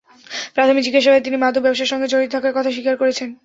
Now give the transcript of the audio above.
প্রাথমিক জিজ্ঞাসাবাদে তিনি মাদক ব্যবসার সঙ্গে জড়িত থাকার কথা স্বীকার করেছেন।